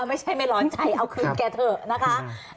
ไม่ใช่ไม่ร้อนใจเอาคืนแกเถอะนะคะ